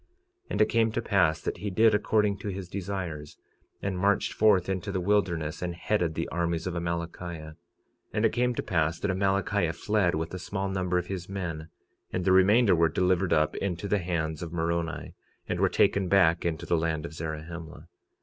46:32 And it came to pass that he did according to his desires, and marched forth into the wilderness, and headed the armies of Amalickiah. 46:33 And it came to pass that Amalickiah fled with a small number of his men, and the remainder were delivered up into the hands of Moroni and were taken back into the land of Zarahemla.